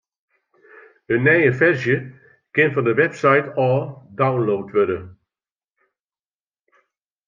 In nije ferzje kin fan de website ôf download wurde.